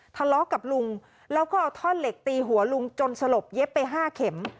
ทะเลาะกับลุงแล้วก็เอาท่อนเหล็กตีหัวลุงจนสลบเย็บไป๕เข็ม